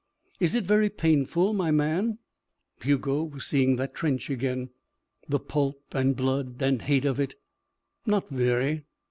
"Is it very painful, my man?" Hugo was seeing that trench again the pulp and blood and hate of it. "Not very."